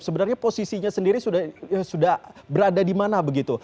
sebenarnya posisinya sendiri sudah berada di mana begitu